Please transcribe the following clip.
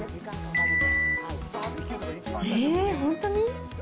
えー、本当に？